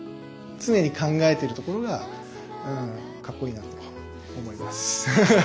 常に考えてるところがうんかっこいいなと思います。